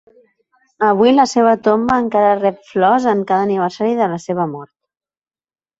Avui, la seva tomba encara rep flors en cada aniversari de la seva mort.